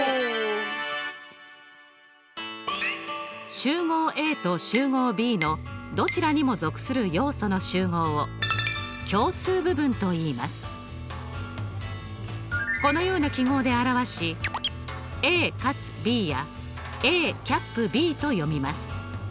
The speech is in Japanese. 集合Ａと集合Ｂのどちらにも属する要素の集合をこのような記号で表し「ＡかつＢ」や「ＡキャップＢ」と読みます。